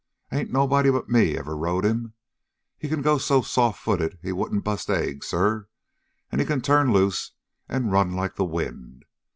Ain't nobody but me ever rode him. He can go so soft footed he wouldn't bust eggs, sir, and he can turn loose and run like the wind.